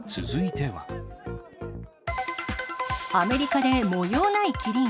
アメリカで模様ないキリン。